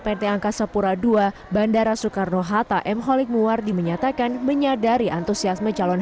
pt angkasa pura ii bandara soekarno hatta m holik muwardi menyatakan menyadari antusiasme calon